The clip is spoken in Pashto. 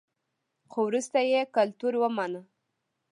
خو وروسته یې کلتور ومانه